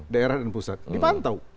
daerah dan pusat dipantau